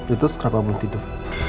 itu sekerapa belum tidur